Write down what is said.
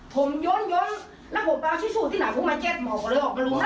ผมหย้นแล้วผมเอาชีสู่ที่เหนือพวกมันเจ็ดหมอก็เลยออกมารู้